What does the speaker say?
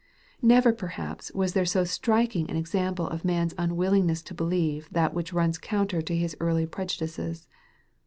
Never perhaps was there so striking an ex ample of man's unwillingness to believe that which runs counter to his early prejudices.